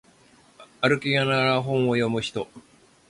歩きながら本を読む人